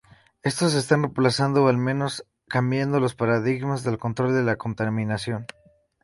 Estos están reemplazando o al menos cambiando los paradigmas de control de la contaminación.